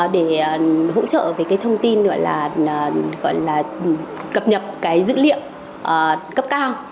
để hỗ trợ về cái thông tin gọi là gọi là cập nhập cái dữ liệu cấp cao